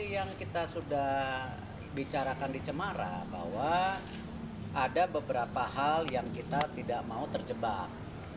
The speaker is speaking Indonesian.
yang kita sudah bicarakan di cemara bahwa ada beberapa hal yang kita tidak mau terjebak